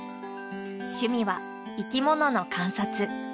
趣味は生き物の観察。